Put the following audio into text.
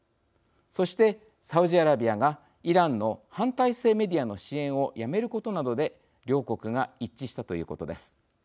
そして、サウジアラビアがイランの反体制メディアの支援をやめることなどで両国が一致したということです。